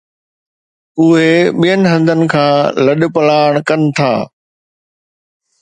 اهي ٻين هنڌن کان لڏپلاڻ ڪن ٿا